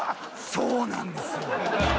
そうなんですよ。